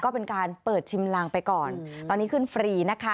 ก็เป็นการเปิดชิมลางไปก่อนตอนนี้ขึ้นฟรีนะคะ